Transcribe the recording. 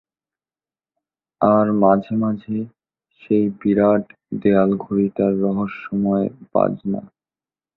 আর মাঝে মাঝে সেই বিরাট দেয়ালঘড়িটার রহস্যময় বাজনা।